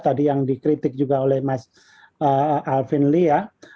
tadi yang dikritik juga oleh mas alvin lee ya